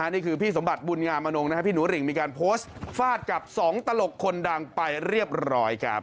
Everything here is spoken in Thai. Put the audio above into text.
นี่คือพี่สมบัติบุญงามนงพี่หนูริ่งมีการโพสต์ฟาดกับ๒ตลกคนดังไปเรียบร้อยครับ